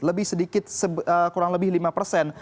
lebih sedikit kurang lebih lima persen